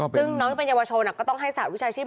ซึ่งน้องพี่ปัญญาวชนก็ต้องให้ศาสตร์วิชาชีพ